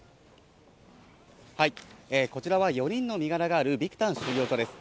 こちらは４人の身柄があるビクタン収容所です。